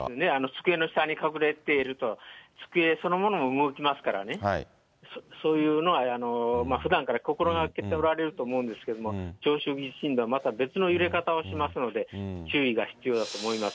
机の下に隠れていると、机そのものも動きますからね、そういうのは、ふだんから心がけておられると思うんですけども、長周期地震動はまた別の揺れ方をしますので、注意が必要だと思います。